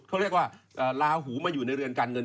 เขาเรียกว่าลาหูมาอยู่ในเรือนการเงิน